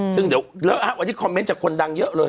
ซึ่งเดี๋ยวเลอะวันนี้คอมเมนต์จากคนดังเยอะเลย